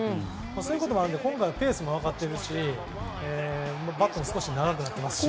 そういうこともあるので今回はペースも分かっているしバットも少し長くなってますので。